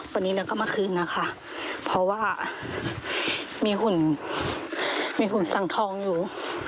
วันนี้เราก็มาคืนนะคะเพราะว่ามีหุ่นมีหุ่นสังทองอยู่